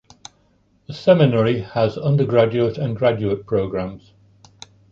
The seminary has undergraduate and graduate programs.